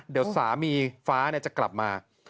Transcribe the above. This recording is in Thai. เดี๋ยวสามีฟ้าจะกลับมา